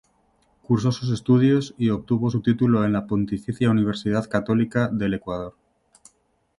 Cursó sus estudios y obtuvo su título en la Pontificia Universidad Católica del Ecuador.